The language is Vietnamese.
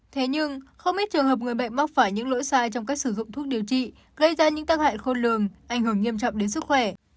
thế nhưng không ít trường hợp người bệnh mắc phải những lỗi sai trong cách sử dụng thuốc điều trị gây ra những tác hại khôn lường ảnh hưởng nghiêm trọng đến sức khỏe